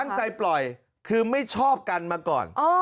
ใจปล่อยคือไม่ชอบกันมาก่อน